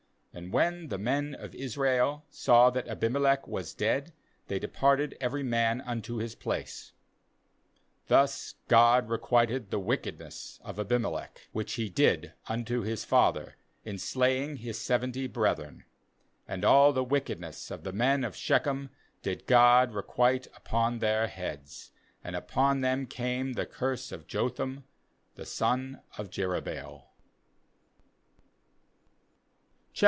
^And when the men of Israel saw that Abirn elech was dead, they departed every man unto his place. eeThus God re quited the wickedness of Abimelech, 307 9.56 JUDGES which he did unto his father, in slay ing his seventy brethren; 57and all the wickedness of the men of Shechem did God requite upon their heads, and upon them came the curse oi Jotham the son of Jerubbaal.